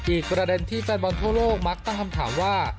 อีกประเด็นที่แฟนบอลทั่วโลกมักตั้งคำถามว่า